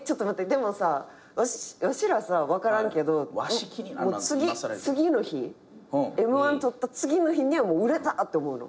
でもわしらさ分からんけど次の日Ｍ−１とった次の日にはもう売れたって思うの？